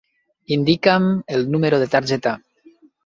Indica'm el número de targeta.